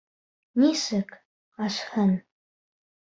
Нисек асһын?